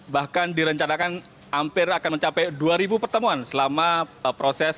bahkan direncanakan hampir akan mencapai dua ribu pertemuan selama proses